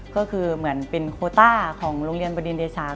ก็คือเหมือนเป็นโคต้าของโรงเรียนบดินเดชา